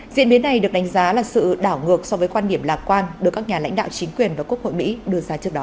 diễn biến này được đánh giá là sự đảo ngược so với quan điểm lạc quan được các nhà lãnh đạo chính quyền và quốc hội mỹ đưa ra trước đó